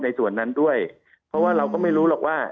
ในส่วนนั้นด้วยเพราะว่าเราก็ไม่รู้หรอกว่า